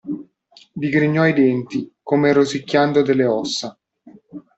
Digrignò i denti, come rosicchiando delle ossa.